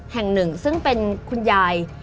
แห่งหนึ่งซึ่งเป็นคุณยาย